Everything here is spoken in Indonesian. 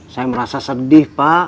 saya merasa sedih pak